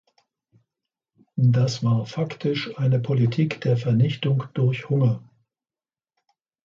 Das war faktisch eine Politik der Vernichtung durch Hunger.